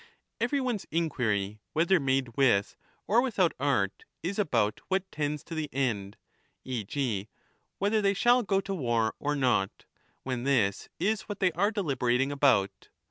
Every one's inquiry, whether made with or without art, is about what tends to the end, e.g. whether they shall go to war or not, when this is what they are deliberating about.